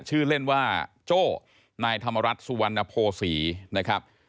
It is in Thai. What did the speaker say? ชื่อเล่นว่าโจ้นายธรรมรัฐสุวรรณโภษีนะครับ